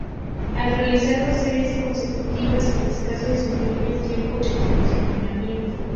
Al realizar dos series consecutivas sin descanso, disminuye el tiempo de entrenamiento.